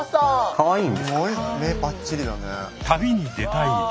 かわいい。